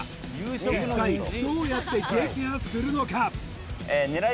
一体どうやって撃破するのか？